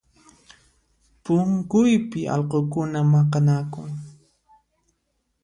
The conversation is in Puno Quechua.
Punkuypi allqukuna maqanakun